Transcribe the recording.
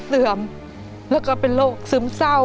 เสื่อมและเป็นโรคซึมเศร้า